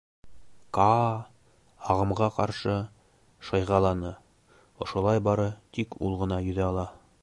Каа ағымға ҡаршы шыйғаланы, ошолай бары тик ул ғына йөҙә ала.